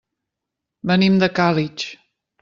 Venim de Càlig.